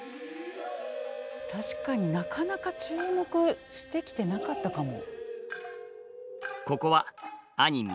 確かになかなか注目してきてなかったかも。